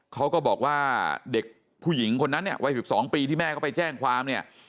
เขาก็บอกว่าเด็กผู้หญิงคนนั้นไว้๑๒ปีที่แม่เขาไปแจ้งความ